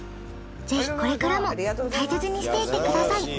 ぜひこれからも大切にしていってください。